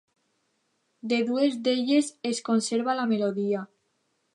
De dues d'elles es conserva la melodia.